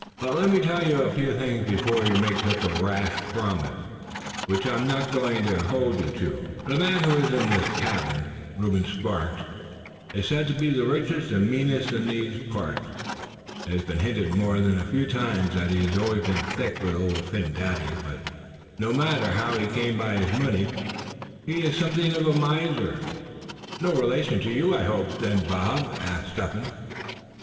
"But let me tell you a few things first before you make such a rash promise, which I am not going to hold you to, suh. The man who was in this cabin, Reuben Sparks, is said to be the richest and meanest in these parts. It has been hinted more than a few times that he has always been thick with Old Phin Dady. But no matter how he came by his money, he is something of a miser." "No relation of yours, I hope, then, Bob?" asked Step Hen.